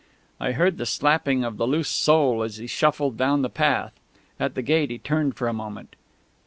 I heard the slapping of the loose sole as he shuffled down the path. At the gate he turned for a moment.